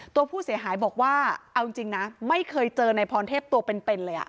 ตัวผู้เสียหายบอกว่าเอาจริงนะไม่เคยเจอในพรเทพตัวเป็นเลย